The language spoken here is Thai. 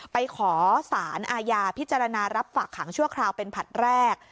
ไปขอสารอาญาพิจารณารับฝากขังชั่วคราวเป็นผลัดแรก